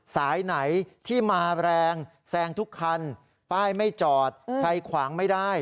สายไหนที่มาแรงแซงทุกคันป้ายไม่จอดใครขวางไม่ได้